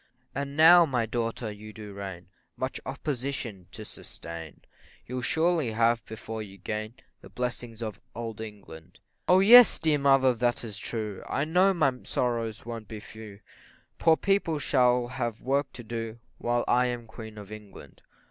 And now, my daughter, you do reign, Much opposition to sustain, You'll surely have, before you gain The blessings of Old England, O yes, dear mother, that is true, I know my sorrows won't be few, Poor people shall have work to do, While I am Queen of England.